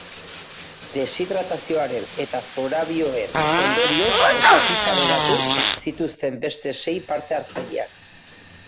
Deshidratazioaren eta zorabioen ondorioz ospitaleratu zituzten beste sei parte hartzaileak.